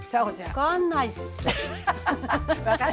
分かんないよね。